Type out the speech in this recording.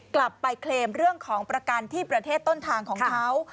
กลับไปเคลมเรื่องของประกันที่ประเทศต้นทางของเขา